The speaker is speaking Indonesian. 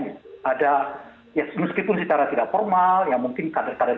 ada ya meskipun secara tidak formal ya mungkin kader kader